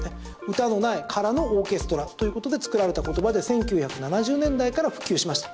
歌のない空のオーケストラということで作られた言葉で１９７０年代から普及しました。